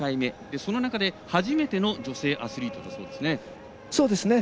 その中で初めての女性アスリートだそうですね。